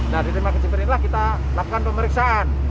nah di terima kecipir inilah kita lakukan pemeriksaan